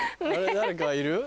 誰かいる？